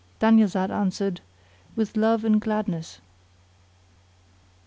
Dunyazad answered "With love and gladness."